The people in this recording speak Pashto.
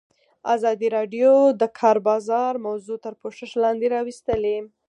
ازادي راډیو د د کار بازار موضوع تر پوښښ لاندې راوستې.